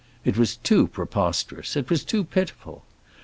It was too preposterous, it was too pitiful.